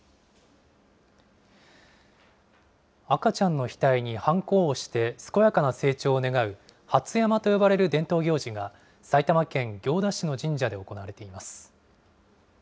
赤ちゃんの額にはんこを押して、健やかな成長を願う、初山と呼ばれる伝統行事が埼玉県行田市の神社で行われています。